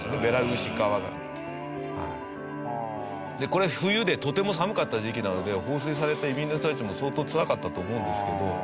これ冬でとても寒かった時期なので放水された移民の人たちも相当つらかったと思うんですけど。